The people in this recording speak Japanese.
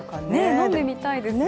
飲んでみたいですよね。